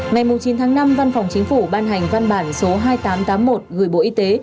ngày chín tháng năm văn phòng chính phủ ban hành văn bản số hai nghìn tám trăm tám mươi một gửi bộ y tế